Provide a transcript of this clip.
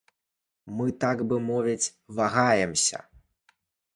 Мы так бы мовіць вагаемся.